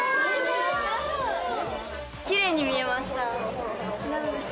きれいに見えました。